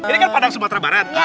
ini kan padang sumatera barat